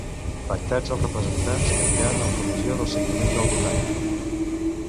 Pactats els representats que aniran a la comissió de seguiment del Botànic